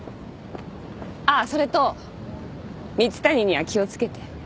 あっそれと蜜谷には気を付けて。